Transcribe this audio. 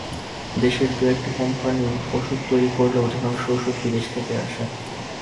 দেশের দু-একটি কোম্পানি ওষুধ তৈরি করলেও অধিকাংশ ওষুধ বিদেশ থেকেই আসে।